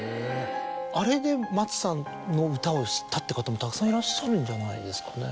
あれで松さんの歌を知ったって方もたくさんいらっしゃるんじゃないですかね？